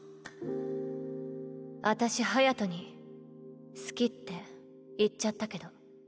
私隼に好きって言っちゃったけど。